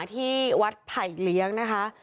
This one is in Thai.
ที่วัดไผ่เลี้ยงนะคะ